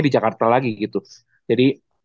di jakarta lagi gitu jadi